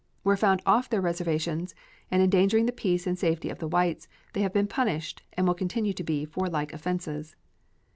Where found off their reservations, and endangering the peace and safety of the whites, they have been punished, and will continue to be for like offenses.